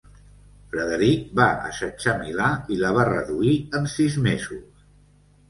Frederic va assetjar Milà i la va reduir en sis mesos.